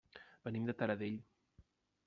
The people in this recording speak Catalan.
Venim de Taradell.